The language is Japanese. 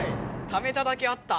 ためただけあった。